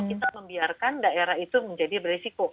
jadi kita harus membiarkan daerah itu menjadi berisiko